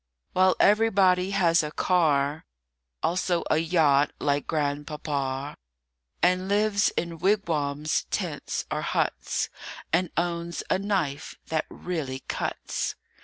WHILE everybody has a car, Also a yacht, like Grandpapa, And lives in wigwams, tents, or huts, And owns a knife that really cuts.